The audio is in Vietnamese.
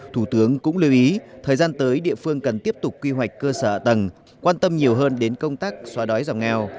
thủ tướng cũng lưu ý thời gian tới địa phương cần tiếp tục quy hoạch cơ sở hạ tầng quan tâm nhiều hơn đến công tác xóa đói giảm nghèo